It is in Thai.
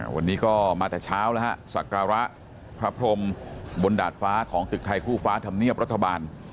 วันนี้ก็มาแต่เช้าแล้วฮะสักการะพระพรมบนดาดฟ้าของตึกไทยคู่ฟ้าธรรมเนียบรัฐบาล